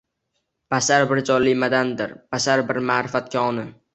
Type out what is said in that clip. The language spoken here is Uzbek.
Bashar bir jonli maʻdandir, bashar bir maʻrifat koni